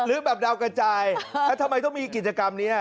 หรือแบบเดากระจายทำไมต้องมีกิจกรรมนี้